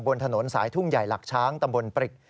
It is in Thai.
บนถนนสายทุ่งใหญ่หลักช้างตำบลปริก